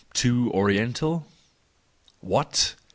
Too Oriental —What?